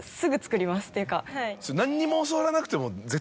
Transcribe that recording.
何にも教わらなくても。